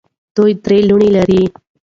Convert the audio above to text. دوی درې لوڼې لري.